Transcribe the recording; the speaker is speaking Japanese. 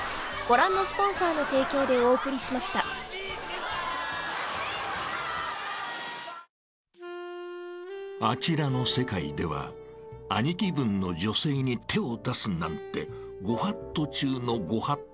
ぷはーっ［あちらの世界では兄貴分の女性に手を出すなんて御法度中の御法度］